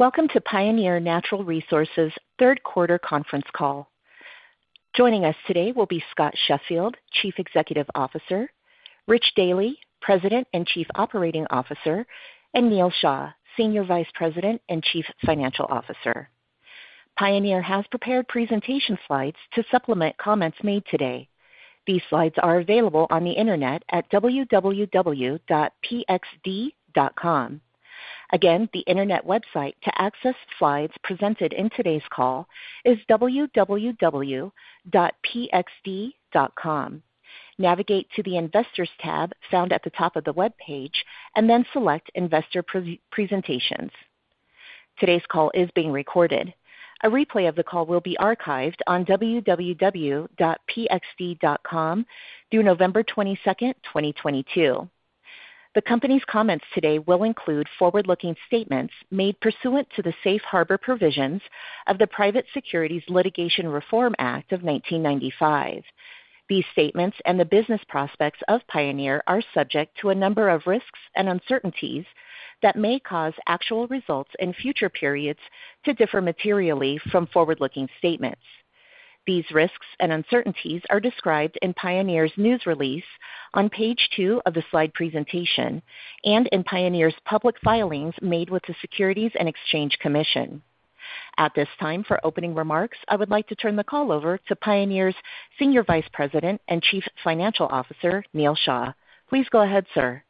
Welcome to Pioneer Natural Resources' third quarter conference call. Joining us today will be Scott Sheffield, Chief Executive Officer, Rich Dealy, President and Chief Operating Officer, and Neal Shah, Senior Vice President and Chief Financial Officer. Pioneer has prepared presentation slides to supplement comments made today. These slides are available on the internet at www.pxd.com. Again, the internet website to access slides presented in today's call is www.pxd.com. Navigate to the Investors tab found at the top of the webpage and then select Investor Presentations. Today's call is being recorded. A replay of the call will be archived on www.pxd.com through November 22, 2022. The company's comments today will include forward-looking statements made pursuant to the Safe Harbor provisions of the Private Securities Litigation Reform Act of 1995. These statements and the business prospects of Pioneer are subject to a number of risks and uncertainties that may cause actual results in future periods to differ materially from forward-looking statements. These risks and uncertainties are described in Pioneer's news release on page two of the slide presentation and in Pioneer's public filings made with the Securities and Exchange Commission. At this time, for opening remarks, I would like to turn the call over to Pioneer's Senior Vice President and Chief Financial Officer, Neal Shah. Please go ahead, sir.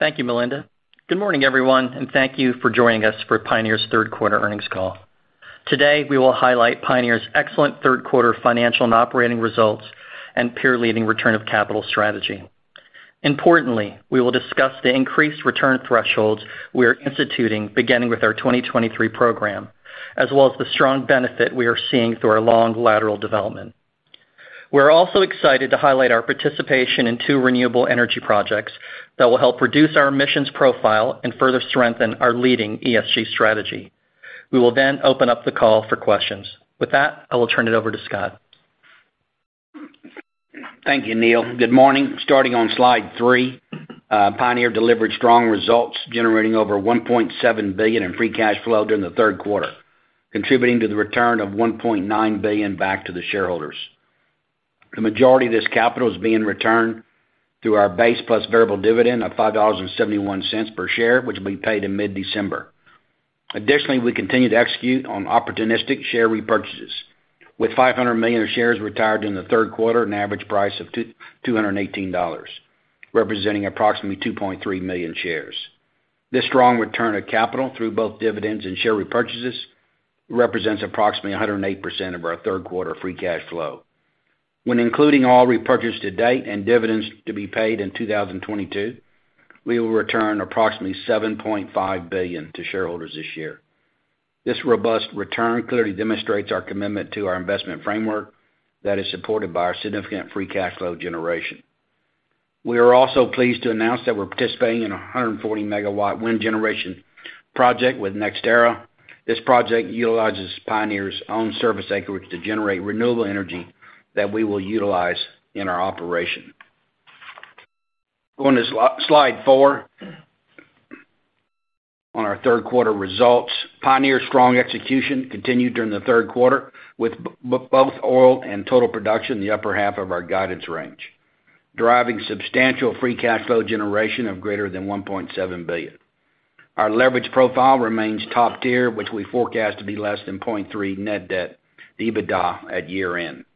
Thank you, Melinda. Good morning, everyone, and thank you for joining us for Pioneer's third quarter earnings call. Today, we will highlight Pioneer's excellent third quarter financial and operating results and peer-leading return of capital strategy. Importantly, we will discuss the increased return thresholds we are instituting beginning with our 2023 program, as well as the strong benefit we are seeing through our long lateral development. We're also excited to highlight our participation in two renewable energy projects that will help reduce our emissions profile and further strengthen our leading ESG strategy. We will then open up the call for questions. With that, I will turn it over to Scott. Thank you, Neal. Good morning. Starting on slide three, Pioneer delivered strong results, generating over $1.7 billion in free cash flow during the third quarter, contributing to the return of $1.9 billion back to the shareholders. The majority of this capital is being returned through our base plus variable dividend of $5.71 per share, which will be paid in mid-December. Additionally, we continue to execute on opportunistic share repurchases, with $500 million in shares retired during the third quarter at an average price of $218, representing approximately 2.3 million shares. This strong return of capital through both dividends and share repurchases represents approximately 108% of our third quarter free cash flow. When including all repurchased to date and dividends to be paid in 2022, we will return approximately $7.5 billion to shareholders this year. This robust return clearly demonstrates our commitment to our investment framework that is supported by our significant free cash flow generation. We are also pleased to announce that we're participating in a 140-MW wind generation project with NextEra. This project utilizes Pioneer's own service acreage to generate renewable energy that we will utilize in our operation. Going to slide four on our third quarter results. Pioneer's strong execution continued during the third quarter with both oil and total production in the upper half of our guidance range, driving substantial free cash flow generation of greater than $1.7 billion. Our leverage profile remains top tier, which we forecast to be less than 0.3 net debt to EBITDA at year-end.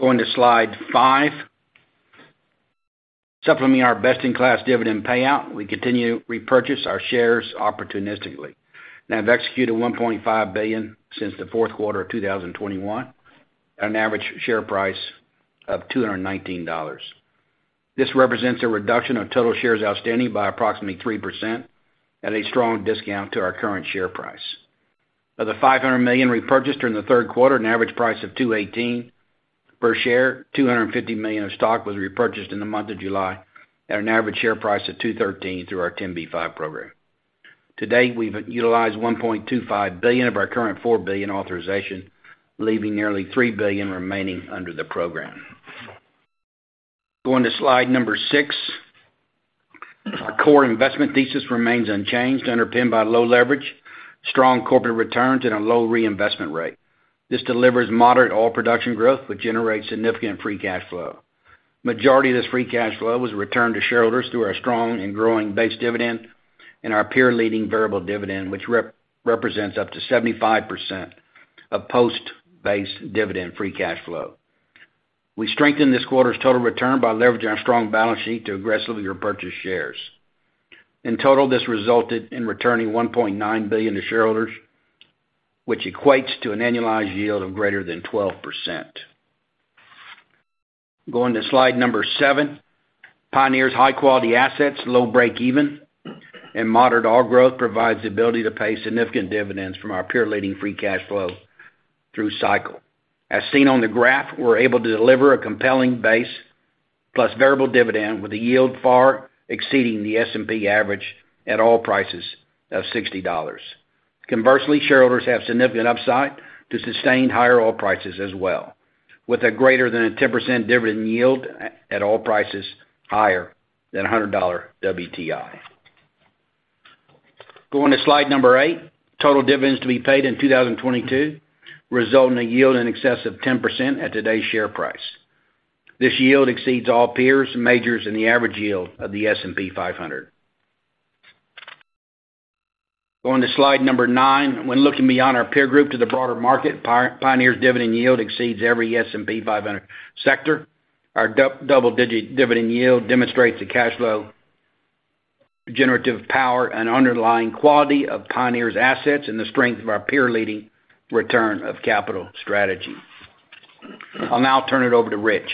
Going to slide five. Supplementing our best-in-class dividend payout, we continue to repurchase our shares opportunistically and have executed $1.5 billion since the fourth quarter of 2021 at an average share price of $219. This represents a reduction of total shares outstanding by approximately 3% at a strong discount to our current share price. Of the $500 million repurchased during the third quarter at an average price of $218 per share, $250 million of stock was repurchased in the month of July at an average share price of $213 through our 10b5-1 program. To date, we've utilized $1.25 billion of our current $4 billion authorization, leaving nearly $3 billion remaining under the program. Going to slide number six. Our core investment thesis remains unchanged, underpinned by low leverage, strong corporate returns, and a low reinvestment rate. This delivers moderate oil production growth, which generates significant free cash flow. Majority of this free cash flow was returned to shareholders through our strong and growing base dividend and our peer-leading variable dividend, which represents up to 75% of post-base dividend free cash flow. We strengthened this quarter's total return by leveraging our strong balance sheet to aggressively repurchase shares. In total, this resulted in returning $1.9 billion to shareholders, which equates to an annualized yield of greater than 12%. Going to slide number seven. Pioneer's high-quality assets, low breakeven, and moderate oil growth provides the ability to pay significant dividends from our peer-leading free cash flow through cycle. As seen on the graph, we're able to deliver a compelling base plus variable dividend, with a yield far exceeding the S&P average at oil prices of $60. Conversely, shareholders have significant upside to sustain higher oil prices as well. With a greater than a 10% dividend yield at all prices higher than $100 WTI. Going to slide number eight. Total dividends to be paid in 2022 result in a yield in excess of 10% at today's share price. This yield exceeds all peers, majors, and the average yield of the S&P 500. Going to slide number nine. When looking beyond our peer group to the broader market, Pioneer's dividend yield exceeds every S&P 500 sector. Our double-digit dividend yield demonstrates the cash flow generative power and underlying quality of Pioneer's assets and the strength of our peer-leading return of capital strategy. I'll now turn it over to Rich.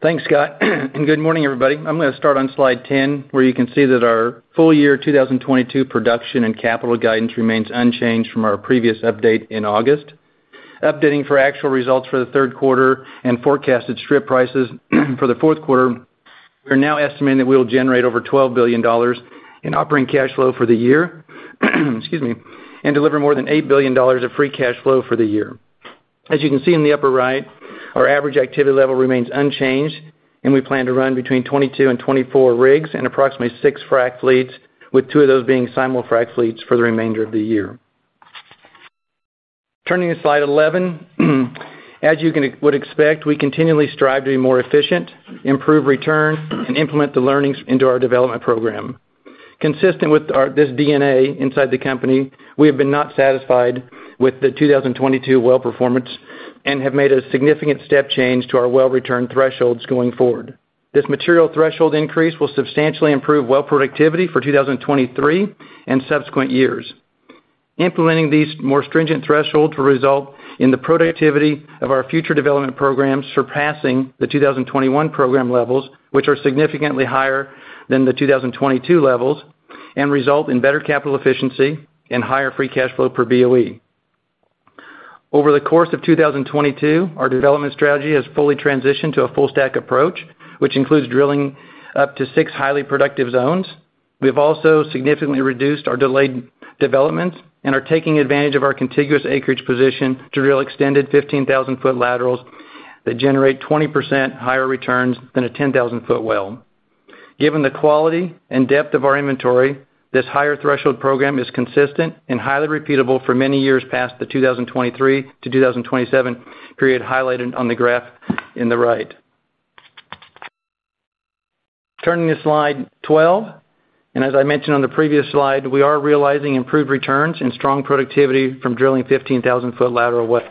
Thanks, Scott, and good morning, everybody. I'm gonna start on slide 10, where you can see that our full year 2022 production and capital guidance remains unchanged from our previous update in August. Updating for actual results for the third quarter and forecasted strip prices for the fourth quarter, we are now estimating that we'll generate over $12 billion in operating cash flow for the year, excuse me, and deliver more than $8 billion of free cash flow for the year. As you can see in the upper right, our average activity level remains unchanged, and we plan to run between 22 and 24 rigs and approximately six frack fleets, with two of those being simul-frac fleets for the remainder of the year. Turning to slide 11. As you would expect, we continually strive to be more efficient, improve return, and implement the learnings into our development program. Consistent with this DNA inside the company, we have been not satisfied with the 2022 well performance and have made a significant step change to our well return thresholds going forward. This material threshold increase will substantially improve well productivity for 2023 and subsequent years. Implementing these more stringent thresholds will result in the productivity of our future development programs surpassing the 2021 program levels, which are significantly higher than the 2022 levels, and result in better capital efficiency and higher free cash flow per BOE. Over the course of 2022, our development strategy has fully transitioned to a full-stack approach, which includes drilling up to six highly productive zones. We have also significantly reduced our delayed developments and are taking advantage of our contiguous acreage position to drill extended 15,000-ft laterals that generate 20% higher returns than a 10,000-ft well. Given the quality and depth of our inventory, this higher threshold program is consistent and highly repeatable for many years past the 2023-2027 period highlighted on the graph in the right. Turning to slide 12, and as I mentioned on the previous slide, we are realizing improved returns and strong productivity from drilling 15,000-ft lateral wells.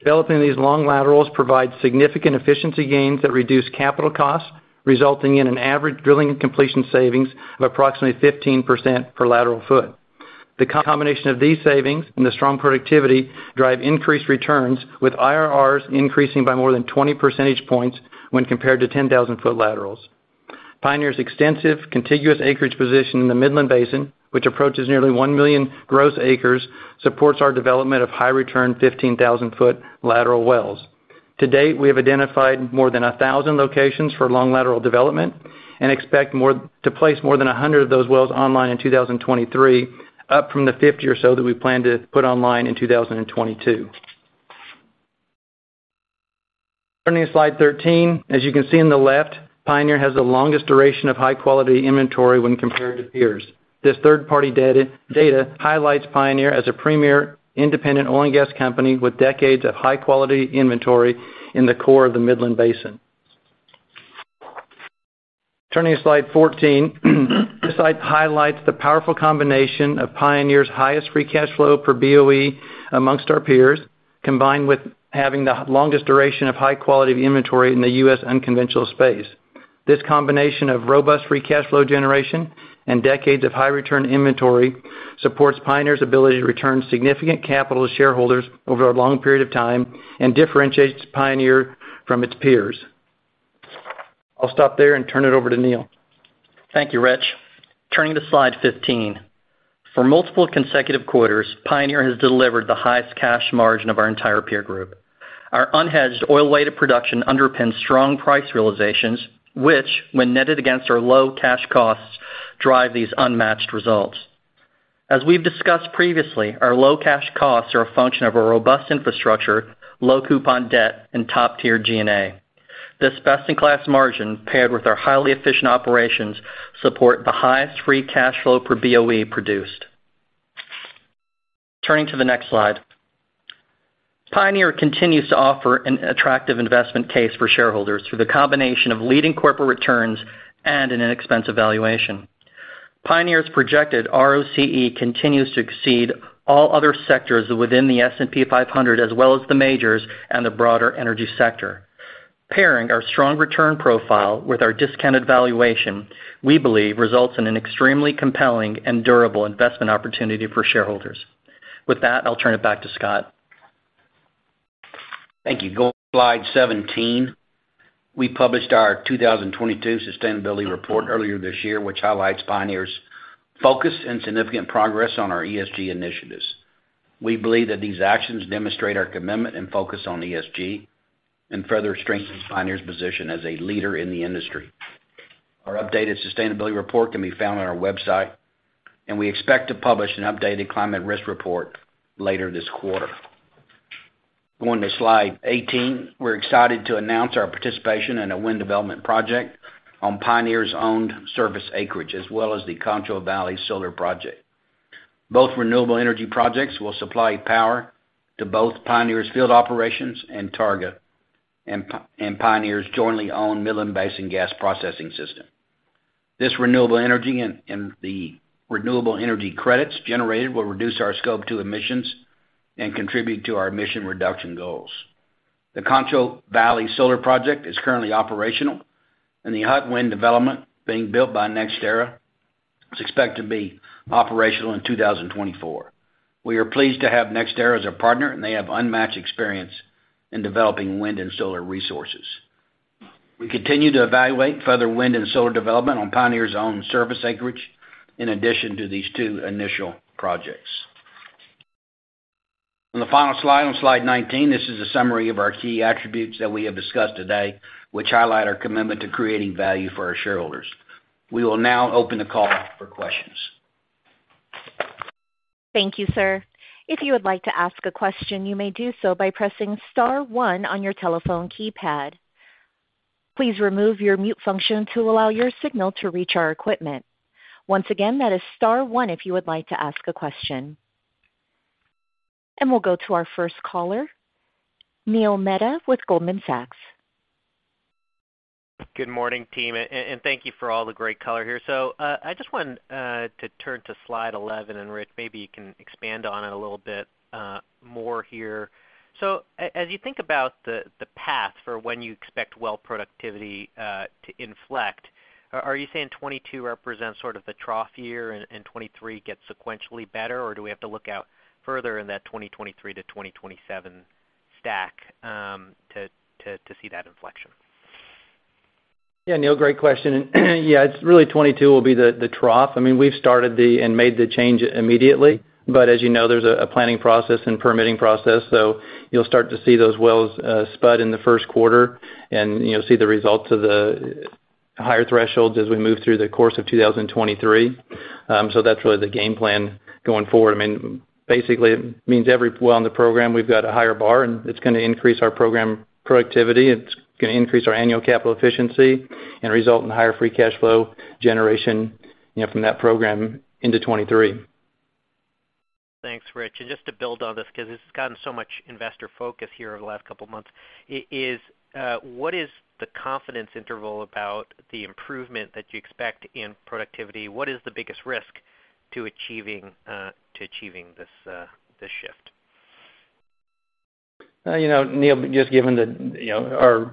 Developing these long laterals provides significant efficiency gains that reduce capital costs, resulting in an average drilling and completion savings of approximately 15% per lateral foot. The combination of these savings and the strong productivity drive increased returns, with IRRs increasing by more than 20 percentage points when compared to 10,000-ft laterals. Pioneer's extensive contiguous acreage position in the Midland Basin, which approaches nearly 1 million gross acres, supports our development of high-return 15,000-ft lateral wells. To date, we have identified more than 1,000 locations for long lateral development and expect to place more than 100 of those wells online in 2023, up from the 50 or so that we plan to put online in 2022. Turning to slide 13. As you can see on the left, Pioneer has the longest duration of high-quality inventory when compared to peers. This third-party data highlights Pioneer as a premier independent oil and gas company with decades of high-quality inventory in the core of the Midland Basin. Turning to slide 14. This slide highlights the powerful combination of Pioneer's highest free cash flow per BOE amongst our peers, combined with having the longest duration of high quality of inventory in the U.S. unconventional space. This combination of robust free cash flow generation and decades of high-return inventory supports Pioneer's ability to return significant capital to shareholders over a long period of time and differentiates Pioneer from its peers. I'll stop there and turn it over to Neal. Thank you, Rich. Turning to slide 15. For multiple consecutive quarters, Pioneer has delivered the highest cash margin of our entire peer group. Our unhedged oil-weighted production underpins strong price realizations, which, when netted against our low cash costs, drive these unmatched results. As we've discussed previously, our low cash costs are a function of a robust infrastructure, low coupon debt, and top-tier G&A. This best-in-class margin, paired with our highly efficient operations, support the highest free cash flow per BOE produced. Turning to the next slide. Pioneer continues to offer an attractive investment case for shareholders through the combination of leading corporate returns and an inexpensive valuation. Pioneer's projected ROCE continues to exceed all other sectors within the S&P 500, as well as the majors and the broader energy sector. Pairing our strong return profile with our discounted valuation, we believe results in an extremely compelling and durable investment opportunity for shareholders. With that, I'll turn it back to Scott. Thank you. Going to slide 17. We published our 2022 sustainability report earlier this year, which highlights Pioneer's focus and significant progress on our ESG initiatives. We believe that these actions demonstrate our commitment and focus on ESG and further strengthens Pioneer's position as a leader in the industry. Our updated sustainability report can be found on our website, and we expect to publish an updated climate risk report later this quarter. Going to slide 18. We're excited to announce our participation in a wind development project on Pioneer's owned surface acreage, as well as the Concho Valley Solar Project. Both renewable energy projects will supply power to both Pioneer's field operations and Targa and Pioneer's jointly owned Midland Basin Gas Processing system. This renewable energy and the renewable energy credits generated will reduce our Scope 2 emissions and contribute to our emission reduction goals. The Concho Valley Solar project is currently operational, and the Hutt Wind development being built by NextEra is expected to be operational in 2024. We are pleased to have NextEra as a partner, and they have unmatched experience in developing wind and solar resources. We continue to evaluate further wind and solar development on Pioneer's own surface acreage in addition to these two initial projects. On the final slide, on slide 19, this is a summary of our key attributes that we have discussed today, which highlight our commitment to creating value for our shareholders. We will now open the call up for questions. Thank you, sir. If you would like to ask a question, you may do so by pressing star one on your telephone keypad. Please remove your mute function to allow your signal to reach our equipment. Once again, that is star one if you would like to ask a question. We'll go to our first caller, Neil Mehta with Goldman Sachs. Good morning, team, and thank you for all the great color here. I just wanted to turn to slide 11, and Rich, maybe you can expand on it a little bit more here. As you think about the path for when you expect well productivity to inflect, are you saying 2022 represents sort of the trough year and 2023 gets sequentially better, or do we have to look out further in that 2023 to 2027 stack to see that inflection? Yeah. Neal, great question. Yeah, it's really 2022 will be the trough. I mean, we've started and made the change immediately, but as you know, there's a planning process and permitting process. You'll start to see those wells spud in the first quarter and, you know, see the results of the higher thresholds as we move through the course of 2023. That's really the game plan going forward. I mean, basically it means every well in the program, we've got a higher bar, and it's gonna increase our program productivity. It's gonna increase our annual capital efficiency and result in higher free cash flow generation, you know, from that program into 2023. Thanks, Rich. Just to build on this, because it's gotten so much investor focus here over the last couple of months, what is the confidence interval about the improvement that you expect in productivity? What is the biggest risk to achieving this shift? You know, Neal, just given that, you know,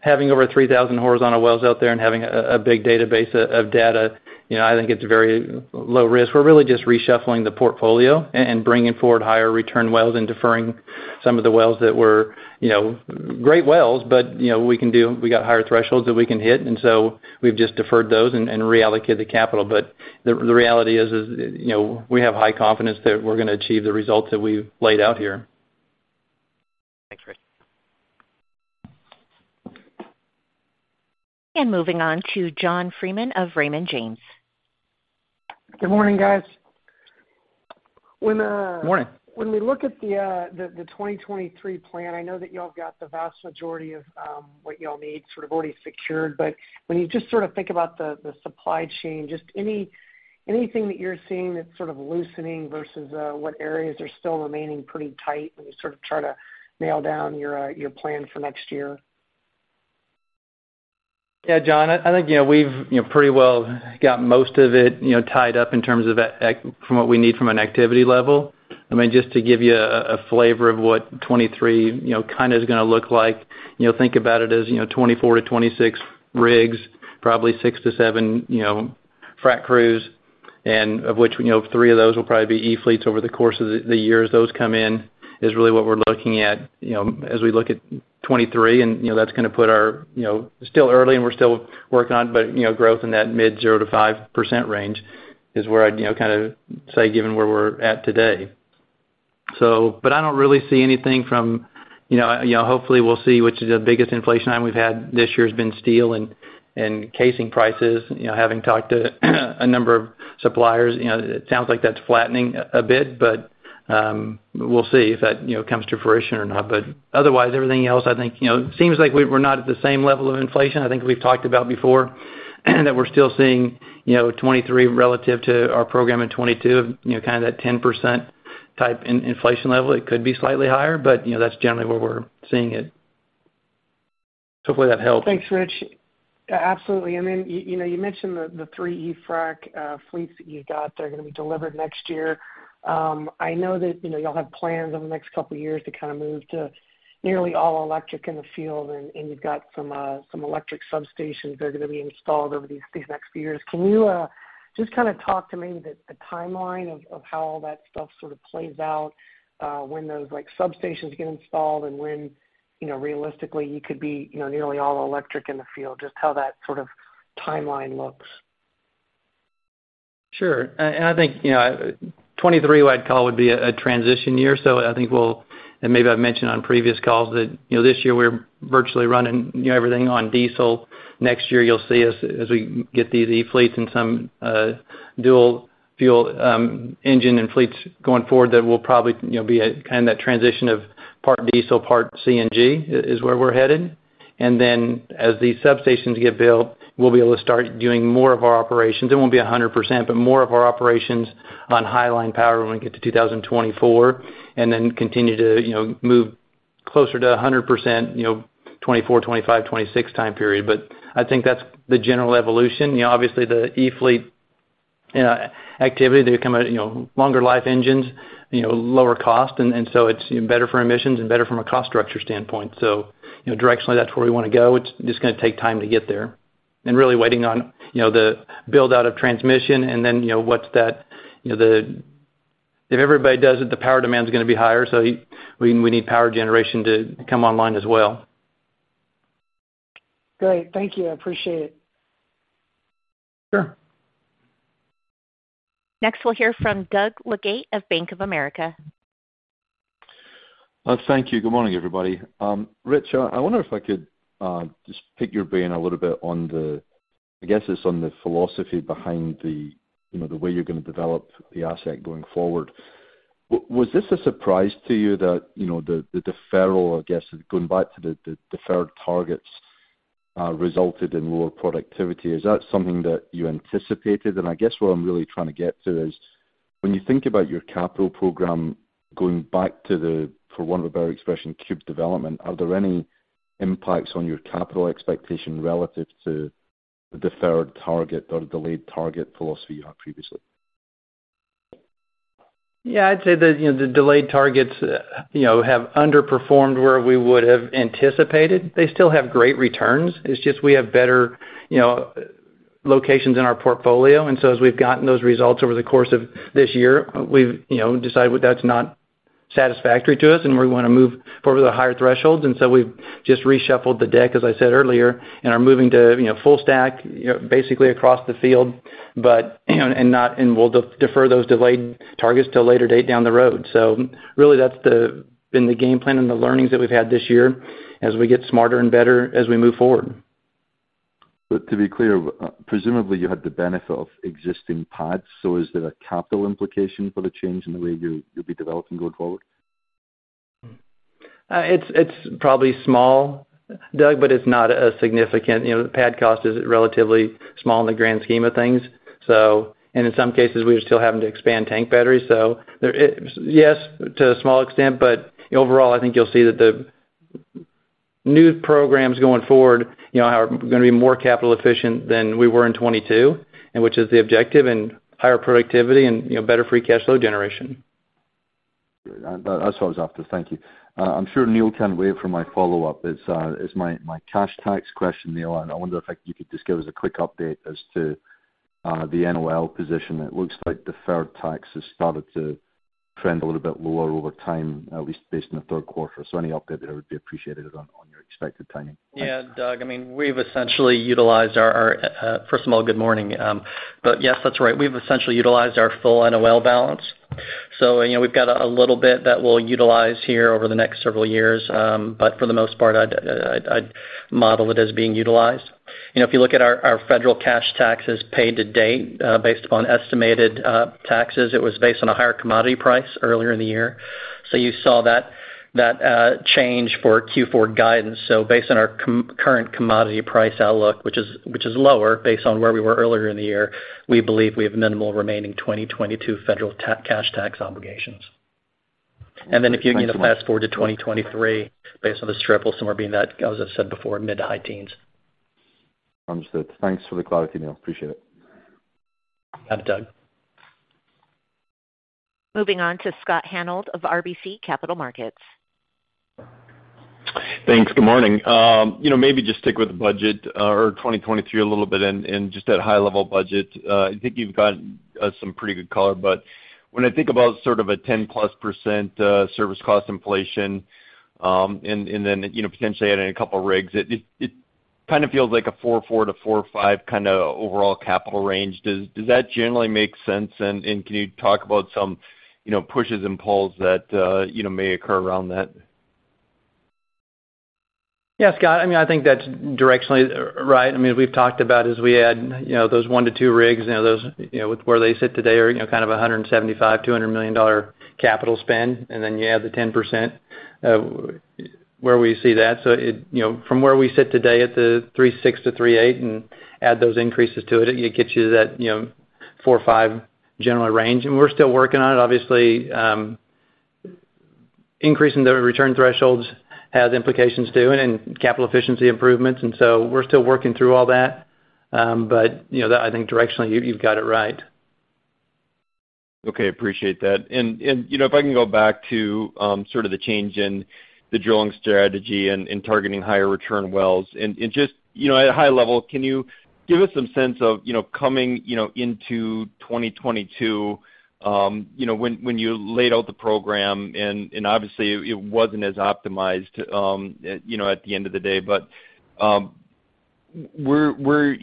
having over 3,000 horizontal wells out there and having a big database of data, you know, I think it's very low risk. We're really just reshuffling the portfolio and bringing forward higher return wells and deferring some of the wells that were, you know, great wells, but you know, we got higher thresholds that we can hit, and so we've just deferred those and reallocated the capital. But the reality is, you know, we have high confidence that we're gonna achieve the results that we've laid out here. Thanks, Rich. Moving on to John Freeman of Raymond James. Good morning, guys. Morning. When we look at the 2023 plan, I know that y'all have got the vast majority of what y'all need sort of already secured. But when you just sort of think about the supply chain, just anything that you're seeing that's sort of loosening versus what areas are still remaining pretty tight when you sort of try to nail down your plan for next year? Yeah, John, I think you know we've you know pretty well got most of it you know tied up in terms of from what we need from an activity level. I mean just to give you a flavor of what 2023 you know kind of is gonna look like you know think about it as you know 24-26 rigs probably six-seven, you know, frack crews and of which you know three of those will probably be e-fleets over the course of the year as those come in is really what we're looking at you know as we look at 2023. You know that's gonna put our you know still early and we're still working on but you know growth in that mid 0%-5% range is where I'd you know kind of say given where we're at today. I don't really see anything from, you know, hopefully we'll see, which is the biggest inflation item we've had this year has been steel and casing prices. You know, having talked to a number of suppliers, you know, it sounds like that's flattening a bit. We'll see if that, you know, comes to fruition or not. Otherwise, everything else I think, you know, seems like we're not at the same level of inflation I think we've talked about before, and that we're still seeing, you know, 2023 relative to our program in 2022, you know, kind of that 10%-type inflation level. It could be slightly higher, you know, that's generally where we're seeing it. Hopefully that helps. Thanks, Rich. Absolutely. I mean, you know, you mentioned the three e-frac fleets that you've got that are gonna be delivered next year. I know that, you know, y'all have plans over the next couple of years to kind of move to nearly all electric in the field, and you've got some electric substations that are gonna be installed over these next few years. Can you just kind of talk to maybe the timeline of how all that stuff sort of plays out, when those, like, substations get installed and when, you know, realistically you could be, you know, nearly all electric in the field, just how that sort of timeline looks? Sure. I think, you know, 2023, I'd call a transition year. I think maybe I've mentioned on previous calls that, you know, this year we're virtually running, you know, everything on diesel. Next year, you'll see us as we get these e-fleets and some dual fuel engine and fleets going forward that will probably, you know, be a kind of that transition of part diesel, part CNG where we're headed. Then as these substations get built, we'll be able to start doing more of our operations. It won't be 100%, but more of our operations on high line power when we get to 2024, and then continue to, you know, move closer to 100%, you know, 2024, 2025, 2026 time period. I think that's the general evolution. You know, obviously the e-fleet, you know, activity, they come with, you know, longer life engines, you know, lower cost. It's, you know, better for emissions and better from a cost structure standpoint. You know, directionally, that's where we want to go. It's just gonna take time to get there. Really waiting on, you know, the build-out of transmission. If everybody does it, the power demand is gonna be higher, so we need power generation to come online as well. Great. Thank you. I appreciate it. Sure. Next, we'll hear from Doug Leggate of Bank of America. Thank you. Good morning, everybody. Rich, I wonder if I could just pick your brain a little bit on the, I guess, it's on the philosophy behind the, you know, the way you're gonna develop the asset going forward. Was this a surprise to you that, you know, the deferral, I guess, going back to the deferred targets, resulted in lower productivity? Is that something that you anticipated? I guess what I'm really trying to get to is when you think about your capital program, going back to the, for want of a better expression, cube development, are there any impacts on your capital expectation relative to the deferred target or the delayed target philosophy you had previously? Yeah. I'd say the, you know, the delayed targets, you know, have underperformed where we would have anticipated. They still have great returns. It's just we have better, you know, locations in our portfolio. As we've gotten those results over the course of this year, we've, you know, decided that's not satisfactory to us, and we wanna move forward with the higher thresholds. We've just reshuffled the deck, as I said earlier, and are moving to, you know, full stack, you know, basically across the field. You know, we'll defer those delayed targets till a later date down the road. Really that's been the game plan and the learnings that we've had this year as we get smarter and better as we move forward. To be clear, presumably you had the benefit of existing pads, so is there a capital implication for the change in the way you'll be developing going forward? It's probably small, Doug, but it's not a significant. You know, the pad cost is relatively small in the grand scheme of things. In some cases, we're still having to expand tank batteries. There, yes, to a small extent, but overall, I think you'll see that the new programs going forward, you know, are gonna be more capital efficient than we were in 2022, and which is the objective, and higher productivity and, you know, better free cash flow generation. Great. That's what I was after. Thank you. I'm sure Neal can't wait for my follow-up. It's my cash tax question, Neal. I wonder if, like, you could just give us a quick update as to the NOL position. It looks like deferred tax has started to trend a little bit lower over time, at least based on the third quarter. Any update there would be appreciated on your expected timing. Thanks. Yeah, Doug, I mean, first of all, good morning. Yes, that's right. We've essentially utilized our full NOL balance. You know, we've got a little bit that we'll utilize here over the next several years. For the most part, I'd model it as being utilized. You know, if you look at our federal cash taxes paid-to-date, based upon estimated taxes, it was based on a higher commodity price earlier in the year. You saw that change for Q4 guidance. Based on our current commodity price outlook, which is lower based on where we were earlier in the year, we believe we have minimal remaining 2022 federal cash tax obligations. If you kind of fast forward to 2023 based on the strip, we'll somewhere be in that, as I said before, mid to high teens. Understood. Thanks for the clarity, Neal. Appreciate it. Got it, Doug. Moving on to Scott Hanold of RBC Capital Markets. Thanks. Good morning. You know, maybe just stick with the budget or 2023 a little bit and just at high-level budget. I think you've gotten some pretty good color. When I think about sort of a 10%+ service cost inflation and then, you know, potentially adding a couple rigs, it kind of feels like a $4.4-$4.5 kinda overall capital range. Does that generally make sense? Can you talk about some, you know, pushes and pulls that, you know, may occur around that? Yeah, Scott. I mean, I think that's directionally right. I mean, we've talked about as we add, you know, those one-two rigs, you know, those, you know, with where they sit today are, you know, kind of $175 million, $200 million capital spend, and then you add the 10%, where we see that. So it, you know, from where we sit today at the $3.6 billion-$3.8 billion and add those increases to it gets you to that, you know, $4 billion, $5 billion general range. We're still working on it. Obviously, increasing the return thresholds has implications too, and in capital efficiency improvements. We're still working through all that. But you know, that I think directionally you've got it right. Okay. Appreciate that. You know, if I can go back to sort of the change in the drilling strategy and targeting higher return wells. Just you know, at a high level, can you give us some sense of you know, coming you know, into 2022 you know, when you laid out the program and obviously it wasn't as optimized you know, at the end of the day, but when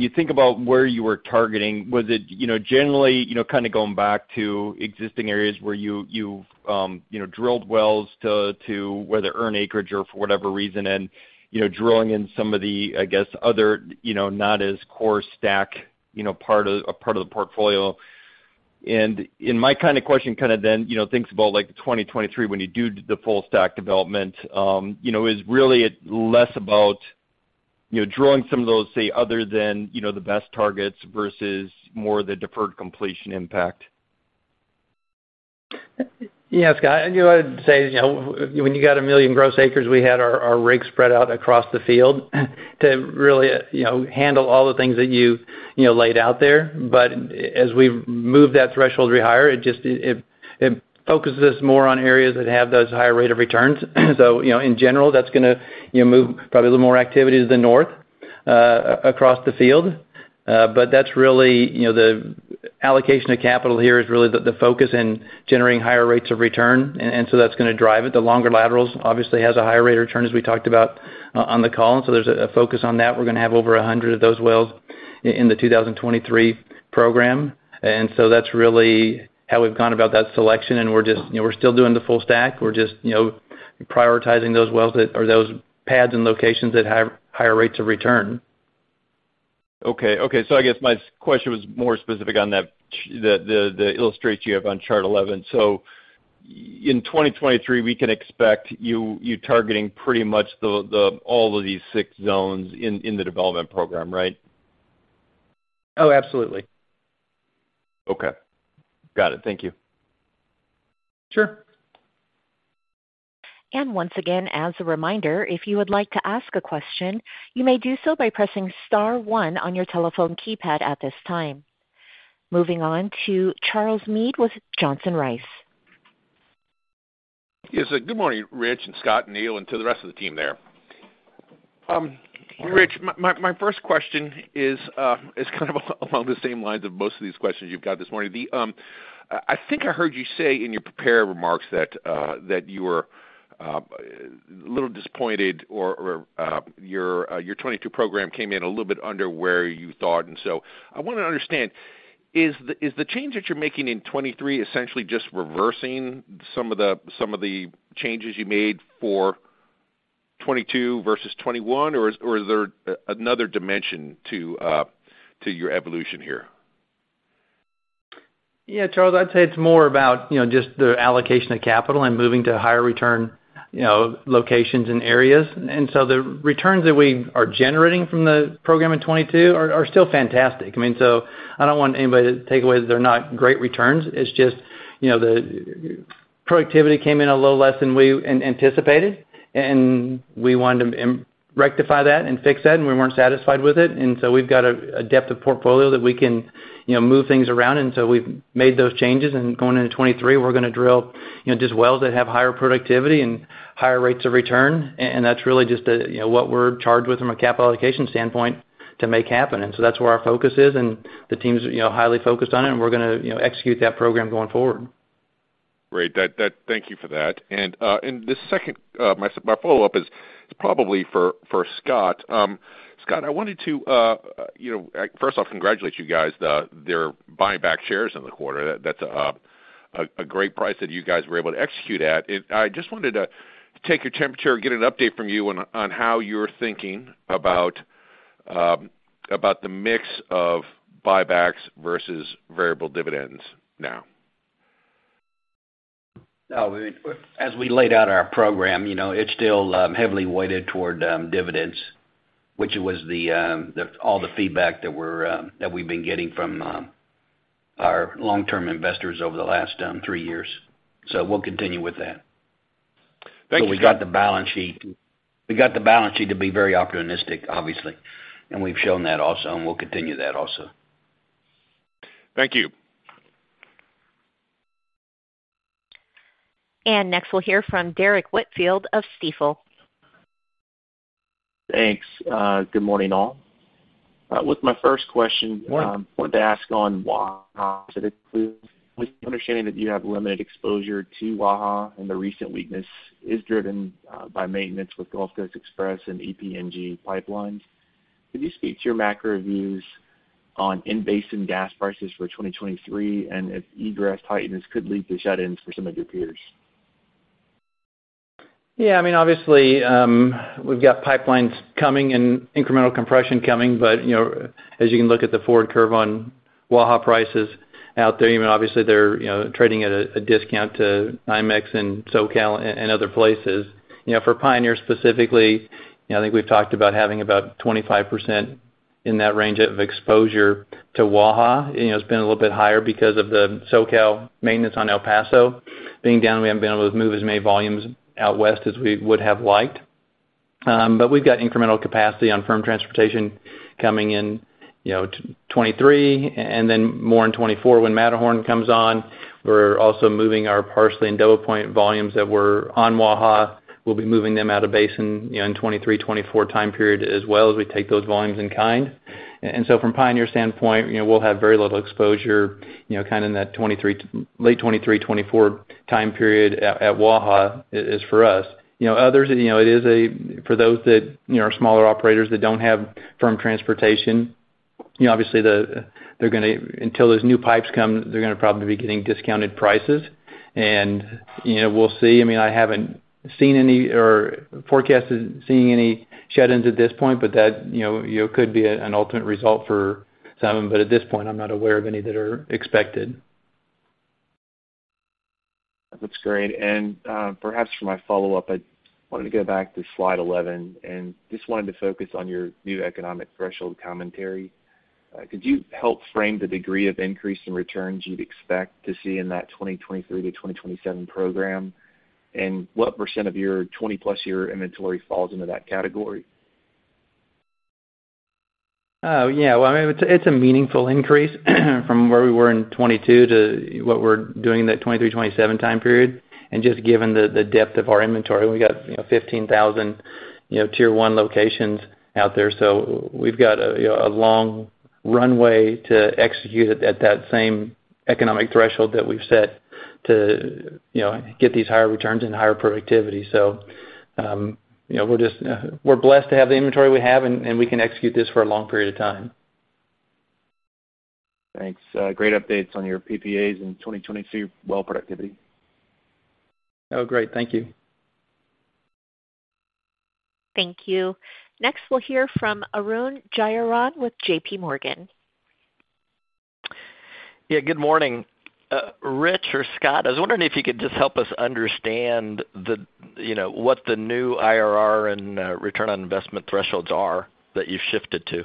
you think about where you were targeting, was it you know, generally, you know, kind of going back to existing areas where you you know, drilled wells to whether earn acreage or for whatever reason and you know, drawing in some of the, I guess, other, you know, not as core STACK you know, part of a part of the portfolio. My kind of question kind of then, you know, thinks about like 2023 when you do the full-stack development, you know, is really less about, you know, drawing some of those, say, other than, you know, the best targets versus more the deferred completion impact. Yeah, Scott, I knew what I'd say, you know, when you got a million gross acres, we had our rigs spread out across the field to really, you know, handle all the things that you know laid out there. As we've moved that threshold higher, it just focuses more on areas that have those higher rate of returns. In general, that's gonna, you know, move probably a little more activity to the north across the field. That's really, you know, the allocation of capital here is really the focus in generating higher rates of return. That's gonna drive it. The longer laterals obviously has a higher rate of return, as we talked about on the call. There's a focus on that. We're gonna have over 100 of those wells in the 2023 program. That's really how we've gone about that selection. We're just, you know, we're still doing the full-stack. We're just, you know, prioritizing those wells that, or those pads and locations that have higher rates of return. I guess my question was more specific on that, the illustrations you have on Chart 11. In 2023, we can expect you targeting pretty much all of these six zones in the development program, right? Oh, absolutely. Okay. Got it. Thank you. Sure. Once again, as a reminder, if you would like to ask a question, you may do so by pressing star one on your telephone keypad at this time. Moving on to Charles Meade with Johnson Rice. Yes. Good morning, Rich and Scott and Neal, and to the rest of the team there. Rich, my first question is kind of along the same lines of most of these questions you've got this morning. I think I heard you say in your prepared remarks that you were a little disappointed or your 2022 program came in a little bit under where you thought. I wanna understand, is the change that you're making in 2023 essentially just reversing some of the changes you made for 2022 versus 2021, or is there another dimension to your evolution here? Yeah, Charles, I'd say it's more about, you know, just the allocation of capital and moving to higher return, you know, locations and areas. The returns that we are generating from the program in 2022 are still fantastic. I mean, so I don't want anybody to take away that they're not great returns. It's just, you know, the productivity came in a little less than we anticipated, and we wanted to rectify that and fix that, and we weren't satisfied with it. We've got a depth of portfolio that we can, you know, move things around. We've made those changes. Going into 2023, we're gonna drill, you know, just wells that have higher productivity and higher rates of return. That's really just, you know, what we're charged with from a capital allocation standpoint to make happen. That's where our focus is, and the team's, you know, highly focused on it. We're gonna, you know, execute that program going forward. Great. Thank you for that. The second, my follow-up is probably for Scott. Scott, I wanted to, you know, first off, congratulate you guys, they're buying back shares in the quarter. That's a great price that you guys were able to execute at. I just wanted to take your temperature and get an update from you on how you're thinking about the mix of buybacks versus variable dividends now. Now, as we laid out our program, you know, it's still heavily weighted toward dividends, which was all the feedback that we've been getting from our long-term investors over the last three years. We'll continue with that. We got the balance sheet to be very opportunistic, obviously, and we've shown that also, and we'll continue that also. Thank you. Next, we'll hear from Derrick Whitfield of Stifel. Thanks. Good morning, all. With my first question, wanted to ask on Waha [inaudible] understanding that you have limited exposure to Waha and the recent weakness is driven by maintenance with Gulf Coast Express and EPNG pipeline. Could you speak to your macro views on in-basin gas prices for 2023 and if [inaudible] tightness could lead to shut-in for some of your peers? Yeah, I mean, obviously, we've got pipelines coming and incremental compression coming. You know, as you can look at the forward curve on Waha prices out there, I mean, obviously they're, you know, trading at a discount to IMEX and SoCal and other places. You know, for Pioneer specifically, you know, I think we've talked about having about 25% in that range of exposure to Waha. You know, it's been a little bit higher because of the SoCal maintenance on El Paso being down. We haven't been able to move as many volumes out west as we would have liked. We've got incremental capacity on firm transportation coming in, you know, 2023 and then more in 2024 when Matterhorn comes on. We're also moving our Parsley and DoublePoint volumes that were on Waha. We'll be moving them out of basin, you know, in 2023, 2024 time period as well, as we take those volumes in kind. From Pioneer standpoint, you know, we'll have very little exposure, you know, kind of in that late 2023, 2024 time period at Waha is for us. You know, others, you know, for those that, you know, are smaller operators that don't have firm transportation, you know, obviously, until those new pipes come, they're gonna probably be getting discounted prices. You know, we'll see. I mean, I haven't seen any or forecasted seeing any shut-ins at this point, but that, you know, could be an ultimate result for some. But at this point, I'm not aware of any that are expected. That's great. Perhaps for my follow-up, I wanted to go back to slide 11 and just wanted to focus on your new economic threshold commentary. Could you help frame the degree of increase in returns you'd expect to see in that 2023-2027 program? What percent of your 20+ year inventory falls into that category? Oh, yeah. Well, I mean, it's a meaningful increase from where we were in 2022 to what we're doing in that 2023, 2027 time period. Just given the depth of our inventory, we've got, you know, 15,000, you know, tier one locations out there. We've got a, you know, long runway to execute it at that same economic threshold that we've set to, you know, get these higher returns and higher productivity. You know, we're blessed to have the inventory we have, and we can execute this for a long period of time. Thanks. Great updates on your PPAs in 2022 well productivity. Oh, great. Thank you. Thank you. Next, we'll hear from Arun Jayaram with J.P. Morgan. Yeah, good morning. Rich or Scott, I was wondering if you could just help us understand the, you know, what the new IRR and return on investment thresholds are that you've shifted to?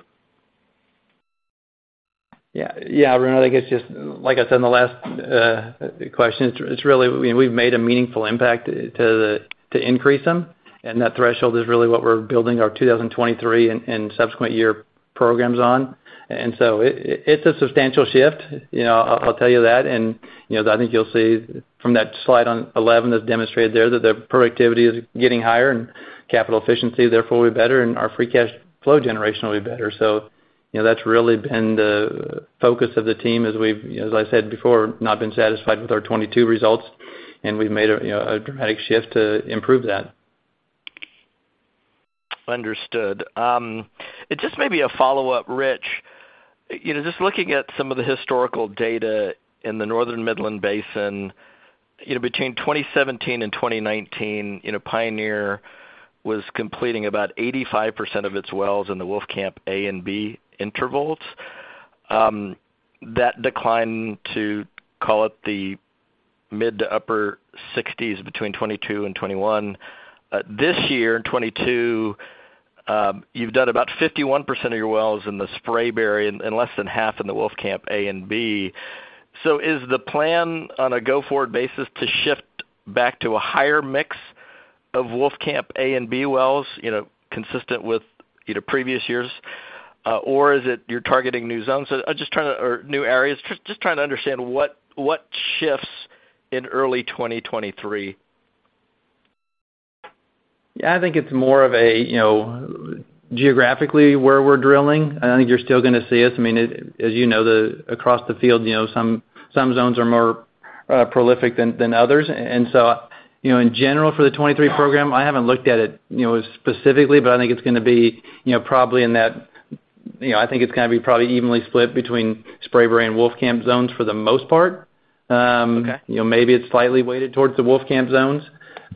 Yeah, Arun, I think it's just, like I said in the last question, it's really we've made a meaningful impact to increase them, and that threshold is really what we're building our 2023 and subsequent year programs on. It's a substantial shift, you know, I'll tell you that. You know, I think you'll see from that slide on 11 that's demonstrated there that the productivity is getting higher and capital efficiency therefore will be better, and our free cash flow generation will be better. That's really been the focus of the team as we've, as I said before, not been satisfied with our 2022 results, and we've made a, you know, a dramatic shift to improve that. Understood. Just maybe a follow-up, Rich. You know, just looking at some of the historical data in the Northern Midland Basin, you know, between 2017 and 2019, you know, Pioneer was completing about 85% of its wells in the Wolfcamp A and B intervals. That declined to, call it, the mid- to upper-60s between 2021 and 2022. This year in 2022, you've done about 51% of your wells in the Spraberry and less than half in the Wolfcamp A and B. Is the plan on a go-forward basis to shift back to a higher mix of Wolfcamp A and B wells, you know, consistent with either previous years, or is it you're targeting new zones or new areas? I'm just trying to understand what shifts in early 2023? Yeah, I think it's more of a, you know, geographically where we're drilling. I think you're still gonna see us. I mean, as you know, across the field, you know, some zones are more prolific than others. You know, in general, for the 2023 program, I haven't looked at it, you know, specifically, but I think it's gonna be, you know, probably in that, you know, I think it's gonna be probably evenly split between Spraberry and Wolfcamp zones for the most part. You know, maybe it's slightly weighted towards the Wolfcamp zones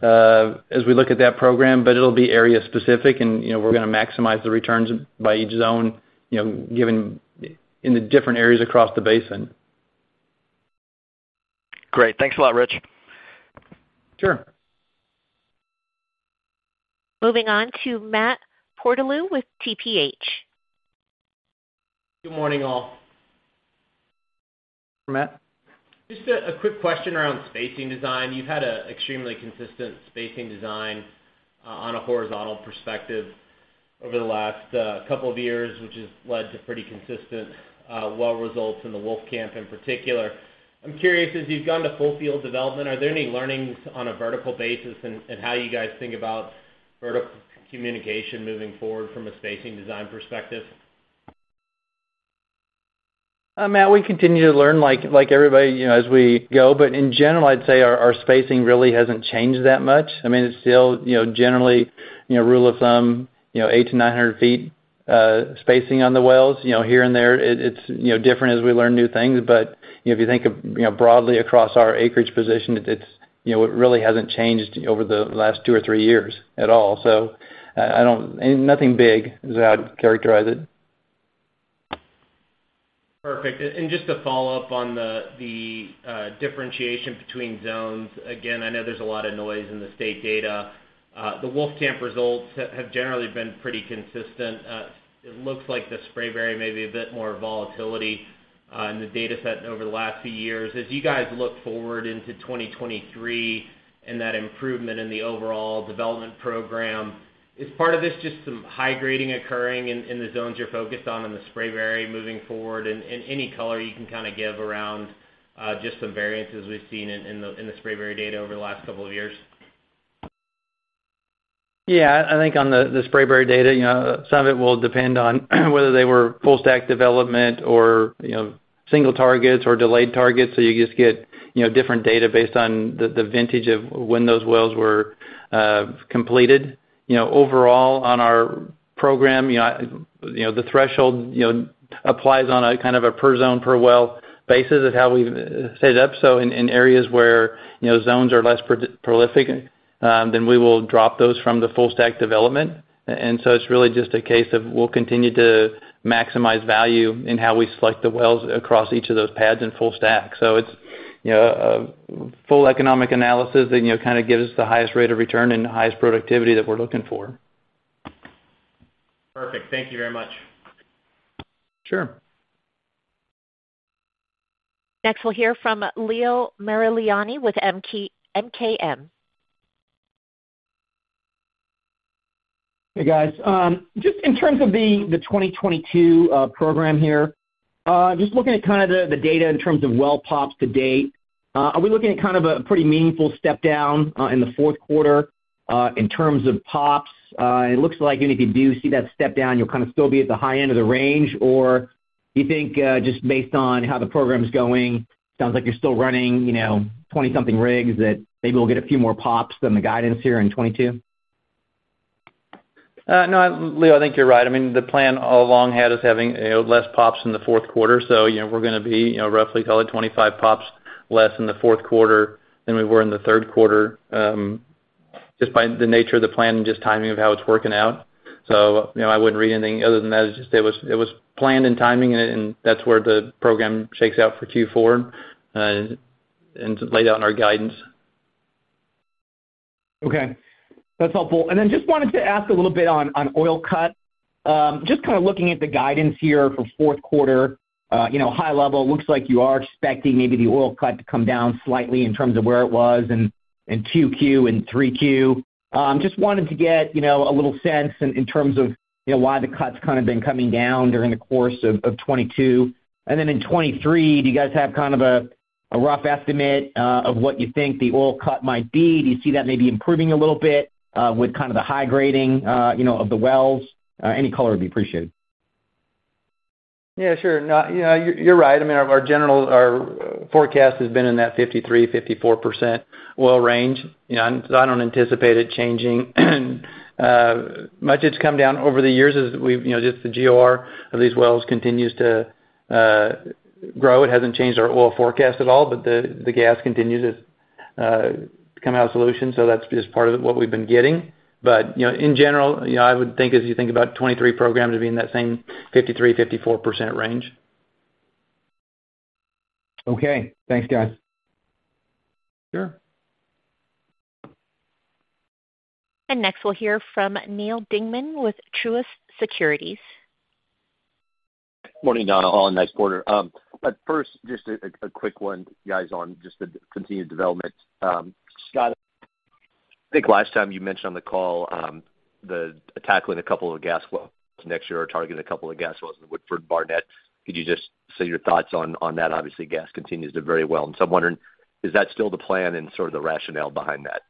as we look at that program, but it'll be area-specific and, you know, we're gonna maximize the returns by each zone, you know, given in the different areas across the basin. Great. Thanks a lot, Rich. Sure. Moving on to Matt Portillo with TPH. Good morning, all. Just a quick question around spacing design. You've had an extremely consistent spacing design on a horizontal perspective over the last couple of years, which has led to pretty consistent well results in the Wolfcamp in particular. I'm curious, as you've gone to full field development, are there any learnings on a vertical basis and how you guys think about vertical communication moving forward from a spacing design perspective? Matt, we continue to learn like everybody, you know, as we go. In general, I'd say our spacing really hasn't changed that much. I mean, it's still, you know, generally, you know, rule of thumb, you know, 800-900 ft spacing on the wells, you know, here and there. It's you know, different as we learn new things. If you think of, you know, broadly across our acreage position, it really hasn't changed over the last two or three years at all. I don't— Nothing big is how I'd characterize it. Perfect. Just to follow up on the differentiation between zones. Again, I know there's a lot of noise in the state data. The Wolfcamp results have generally been pretty consistent. It looks like the Spraberry may be a bit more volatility in the data set over the last few years. As you guys look forward into 2023 and that improvement in the overall development program, is part of this just some high grading occurring in the zones you're focused on in the Spraberry moving forward? Any color you can kind of give around just some variances we've seen in the Spraberry data over the last couple of years? Yeah, I think on the Spraberry data, you know, some of it will depend on whether they were full-stack development or, you know, single targets or delayed targets. You just get, you know, different data based on the vintage of when those wells were completed. You know, overall, on our program, you know, the threshold, you know, applies on a kind of a per zone, per well basis of how we've set it up. In areas where, you know, zones are less prolific, then we will drop those from the full-stack development. It's really just a case of we'll continue to maximize value in how we select the wells across each of those pads in full-stack. It's, you know, a full economic analysis that, you know, kind of gives the highest rate of return and the highest productivity that we're looking for. Perfect. Thank you very much. Sure. Next, we'll hear from Leo Mariani with MKM. Hey, guys. Just in terms of the 2022 program here, just looking at kind of the data in terms of well POPs to date, are we looking at kind of a pretty meaningful step down in the fourth quarter in terms of POPs? It looks like even if you do see that step down, you'll kind of still be at the high end of the range. Or do you think, just based on how the program's going, sounds like you're still running, you know, 20-something rigs, that maybe we'll get a few more POPs than the guidance here in 2022? No, Leo, I think you're right. I mean, the plan all along had us having, you know, less POPs in the fourth quarter. You know, we're gonna be, you know, roughly call it 25 POPs less in the fourth quarter than we were in the third quarter, just by the nature of the plan and just timing of how it's working out. You know, I wouldn't read anything other than that. It just, it was planned in timing, and that's where the program shakes out for Q4, and laid out in our guidance. Okay. That's helpful. Just wanted to ask a little bit on oil cut. Just kind of looking at the guidance here for fourth quarter, you know, high level, looks like you are expecting maybe the oil cut to come down slightly in terms of where it was in 2Q and 3Q. Just wanted to get, you know, a little sense in terms of, you know, why the cut's kind of been coming down during the course of 2022. Then in 2023, do you guys have kind of a rough estimate of what you think the oil cut might be? Do you see that maybe improving a little bit with kind of the high grading, you know, of the wells? Any color would be appreciated. Yeah, sure. No, you know, you're right. I mean, our general— our forecast has been in that 53%, 54% oil range. You know, I don't anticipate it changing much. It's come down over the years as we've, you know, just the GOR of these wells continues to grow. It hasn't changed our oil forecast at all, but the gas continues to come out of solution, so that's just part of what we've been getting. You know, in general, you know, I would think as you think about 2023 programs, it'd be in that same 53%, 54% range. Okay. Thanks, guys. Sure. Next, we'll hear from Neal Dingman with Truist Securities. Morning, All. Nice quarter. First, a quick one, guys, on the continued development. Scott, I think last time you mentioned on the call the tackling a couple of gas wells— next year you're targeting a couple of gas wells in Woodford, Barnett. Could you just say your thoughts on that? Obviously, gas continues to do very well. I'm wondering, is that still the plan and sort of the rationale behind that?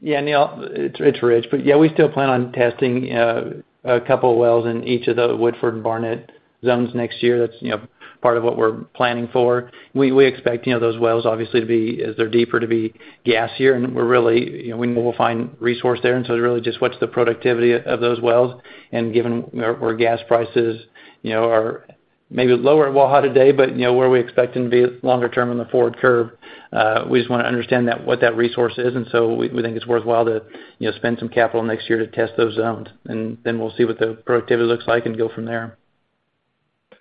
Yeah, Neal, it's Rich. Yeah, we still plan on testing a couple wells in each of the Woodford and Barnett zones next year. That's, you know, part of what we're planning for. We expect, you know, those wells obviously to be, as they're deeper, to be gassier. We're really, you know, we know we'll find resource there, and so it's really just what's the productivity of those wells. Given where gas prices, you know, are maybe lower at Waha today, but you know, where we expect them to be longer term in the forward curve, we just wanna understand that, what that resource is. We think it's worthwhile to, you know, spend some capital next year to test those zones. Then we'll see what the productivity looks like and go from there.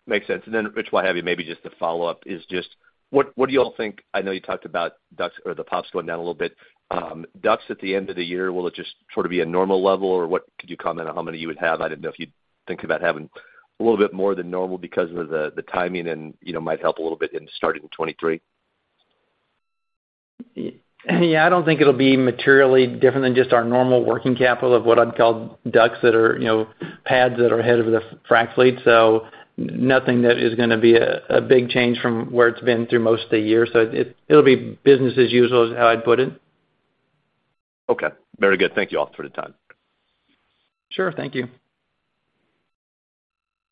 Makes sense. Rich, while I have you, maybe just a follow-up is just what do you all think. I know you talked about DUCs or the POPs going down a little bit. DUCs at the end of the year, will it just sort of be a normal level, or what could you comment on how many you would have? I didn't know if you'd think about having a little bit more than normal because of the timing and, you know, might help a little bit in starting in 2023? Yeah, I don't think it'll be materially different than just our normal working capital of what I'd call DUCs that are, you know, pads that are ahead of the frac fleet. Nothing that is gonna be a big change from where it's been through most of the year. It'll be business as usual is how I'd put it. Okay. Very good. Thank you all for the time. Sure. Thank you.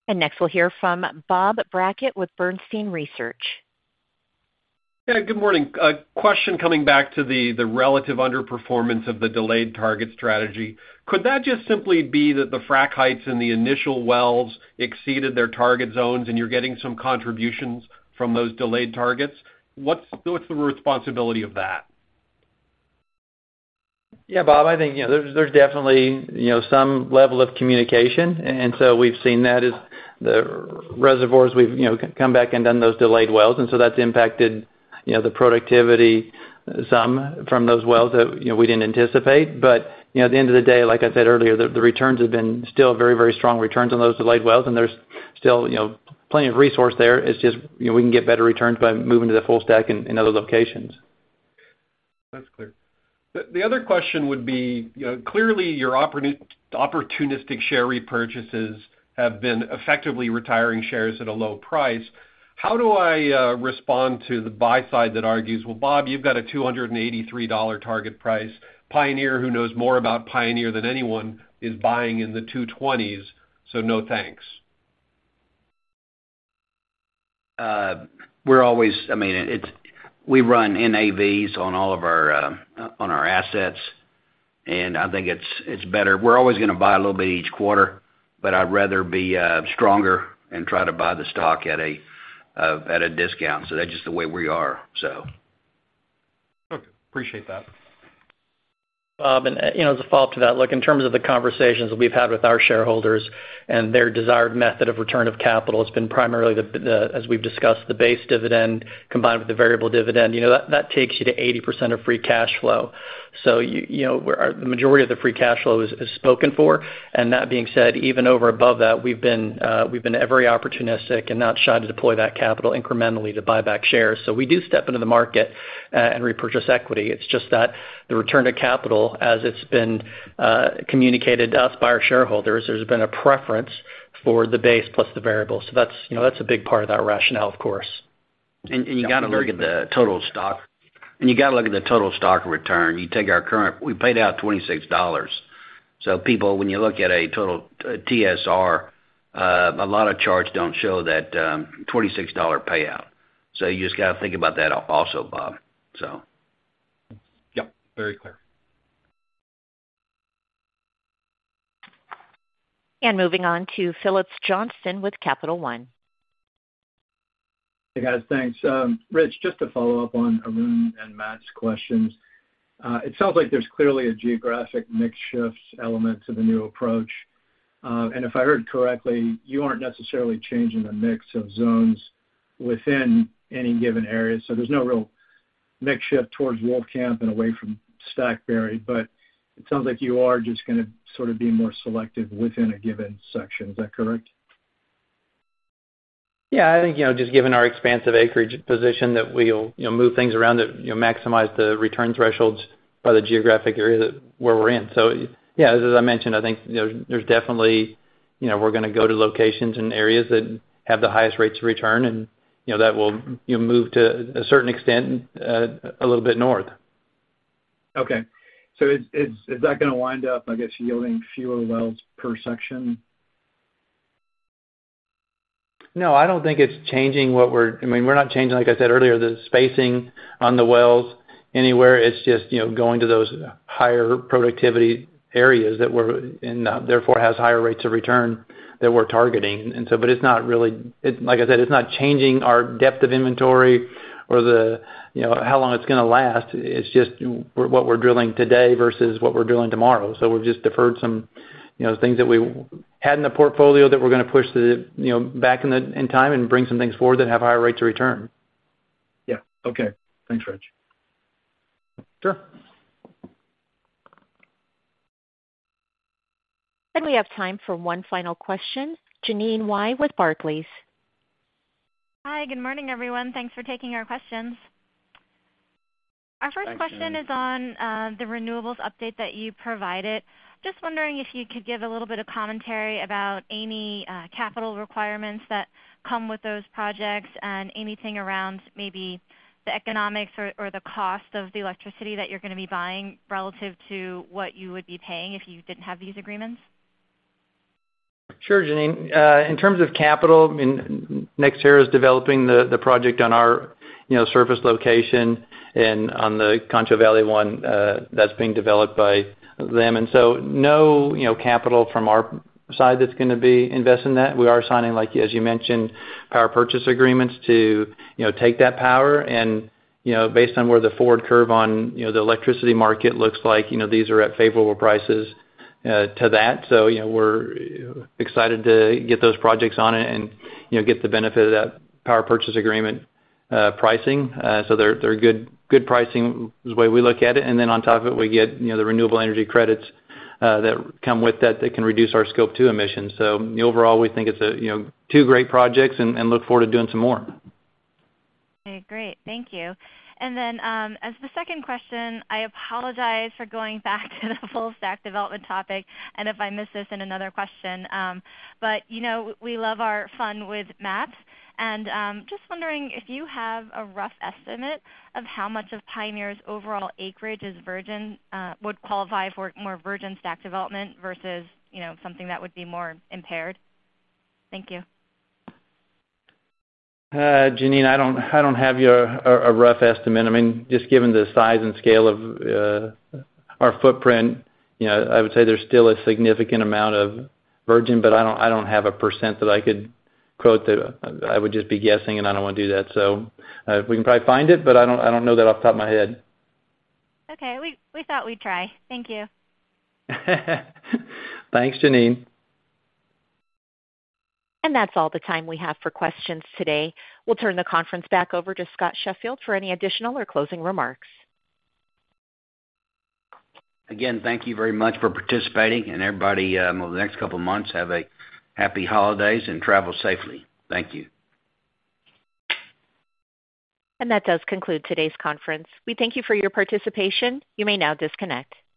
Next, we'll hear from Bob Brackett with Bernstein Research. Yeah, good morning. A question coming back to the relative underperformance of the delayed target strategy. Could that just simply be that the frac heights in the initial wells exceeded their target zones and you're getting some contributions from those delayed targets? What's the responsibility of that? Yeah, Bob, I think, you know, there's definitely, you know, some level of communication. We've seen that as the reservoirs we've, you know, come back and done those delayed wells. That's impacted, you know, the productivity some from those wells that, you know, we didn't anticipate. You know, at the end of the day, like I said earlier, the returns have been still very, very strong returns on those delayed wells. There's still, you know, plenty of resource there. It's just, you know, we can get better returns by moving to the full stack in other locations. That's clear. The other question would be, you know, clearly your opportunistic share repurchases have been effectively retiring shares at a low price. How do I respond to the buy side that argues, "Well, Bob, you've got a $283 target price. Pioneer, who knows more about Pioneer than anyone, is buying in the 220s. So no, thanks. We run NAVs on all of our assets, and I think it's better. We're always gonna buy a little bit each quarter, but I'd rather be stronger and try to buy the stock at a discount. That's just the way we are, so. Okay. Appreciate that. Bob, you know, as a follow-up to that, look, in terms of the conversations that we've had with our shareholders and their desired method of return of capital has been primarily, as we've discussed, the base dividend combined with the variable dividend, you know, that takes you to 80% of free cash flow. You know, where the majority of the free cash flow is spoken for. That being said, even over and above that, we've been very opportunistic and not shy to deploy that capital incrementally to buy back shares. We do step into the market and repurchase equity. It's just that the return of capital, as it's been communicated to us by our shareholders, there's been a preference for the base plus the variable. That's, you know, that's a big part of that rationale, of course. You gotta look at the total stock. You gotta look at the total stock return. We paid out $26. People, when you look at a total— TSR, a lot of charts don't show that $26 payout. You just gotta think about that also, Bob. Yep, very clear. Moving on to Phillips Johnston with Capital One. Hey, guys, thanks. Rich, just to follow up on Arun and Matt's questions. It sounds like there's clearly a geographic mix shift element to the new approach. If I heard correctly, you aren't necessarily changing the mix of zones within any given area. There's no real mix shift towards Wolfcamp and away from [Spraberry], but it sounds like you are just gonna sort of be more selective within a given section. Is that correct? Yeah, I think, you know, just given our expansive acreage position, that we'll, you know, move things around that, you know, maximize the return thresholds by the geographic area where we're in. Yeah, as I mentioned, I think, you know, there's definitely, you know, we're gonna go to locations and areas that have the highest rates of return, and, you know, that will, you know, move to a certain extent a little bit north. Okay. Is that gonna wind up, I guess, yielding fewer wells per section? No, I don't think it's changing. I mean, we're not changing, like I said earlier, the spacing on the wells anywhere. It's just, you know, going to those higher productivity areas that we're in, therefore has higher rates of return that we're targeting. Like I said, it's not changing our depth of inventory or the, you know, how long it's gonna last. It's just what we're drilling today versus what we're drilling tomorrow. We've just deferred some, you know, things that we had in the portfolio that we're gonna push to, you know, back in time and bring some things forward that have higher rates of return. Yeah. Okay. Thanks, Rich. Sure. We have time for one final question, Jeanine Wai with Barclays. Hi, good morning, everyone. Thanks for taking our questions. Thanks, Jeanine. Our first question is on the renewables update that you provided. Just wondering if you could give a little bit of commentary about any capital requirements that come with those projects and anything around maybe the economics or the cost of the electricity that you're gonna be buying relative to what you would be paying if you didn't have these agreements? Sure, Jeanine. In terms of capital, I mean, NextEra is developing the project on our, you know, surface location and on the Concho Valley one, that's being developed by them. No, you know, capital from our side that's gonna be investing in that. We are signing, like, as you mentioned, power purchase agreements to, you know, take that power. You know, based on where the forward curve on, you know, the electricity market looks like, you know, these are at favorable prices to that. You know, we're excited to get those projects on it and, you know, get the benefit of that power purchase agreement pricing. They're good pricing is the way we look at it. Then on top of it, we get, you know, the renewable energy credits that come with that can reduce our Scope 2 emissions. Overall, we think it's a, you know, two great projects and look forward to doing some more. Okay, great. Thank you. Then, as the second question, I apologize for going back to the full stack development topic and if I miss this in another question. You know, we love our fun with maps. Just wondering if you have a rough estimate of how much of Pioneer's overall acreage is virgin, would qualify for more virgin stack development versus, you know, something that would be more impaired? Thank you. Jeanine, I don't have a rough estimate. I mean, just given the size and scale of our footprint, you know, I would say there's still a significant amount of virgin, but I don't have a percent that I could quote to. I would just be guessing, and I don't wanna do that. We can probably find it, but I don't know that off the top of my head. Okay. We thought we'd try. Thank you. Thanks, Jeanine. That's all the time we have for questions today. We'll turn the conference back over to Scott Sheffield for any additional or closing remarks. Again, thank you very much for participating. Everybody, over the next couple of months, have a happy holidays and travel safely. Thank you. That does conclude today's conference. We thank you for your participation. You may now disconnect.